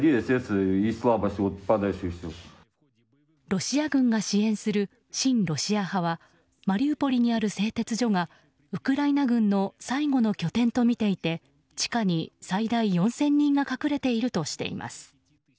ロシア軍が支援する親ロシア派はマリウポリにある製鉄所がウクライナ軍の最後の拠点とみていて地下に最大４０００人が隠れているとしています。